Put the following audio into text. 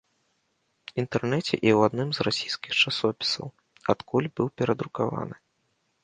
Інтэрнэце і ў адным з расійскіх часопісаў, адкуль быў перадрукаваны.